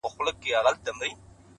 د لرې اورګاډي غږ د سفر خیال راولي!